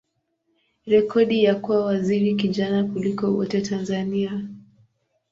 rekodi ya kuwa waziri kijana kuliko wote Tanzania.